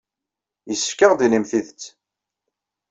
Yessefk ad aɣ-d-tinim tidet.